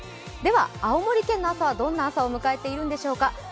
青森県はどんな朝を迎えているんでしょうか。